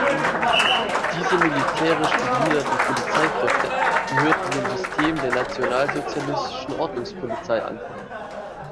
Diese militärisch gegliederten Polizeikräfte gehörten dem System der nationalsozialistischen Ordnungspolizei an.